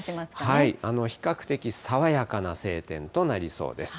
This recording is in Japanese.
比較的、爽やかな晴天となりそうです。